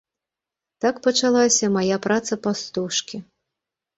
Так пачалася мая праца пастушкі.